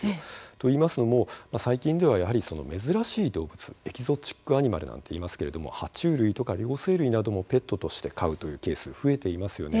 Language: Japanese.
といいますのも最近ではやはり珍しい動物エキゾチックアニマルなんていいますけれどもは虫類とか両生類などもペットとして飼うというケース増えていますよね。